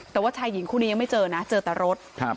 แต่ว่าชายหญิงคู่นี้ยังไม่เจอนะเจอแต่รถ